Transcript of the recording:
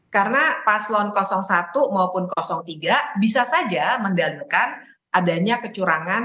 karena paslon satu maupun tiga bisa saja mendalikan adanya kecurangan